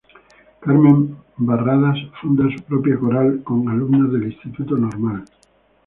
Carmen Barradas funda su propia Coral con alumnas del Instituto Normal.